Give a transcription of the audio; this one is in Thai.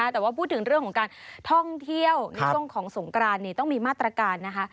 แต่ว่าพูดถึงเรื่องของการท่องเที่ยวในช่วงของสงกรานต้องมีมาตรการนะคะ